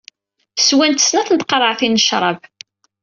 Swant snat teqreɛtin n ccrab.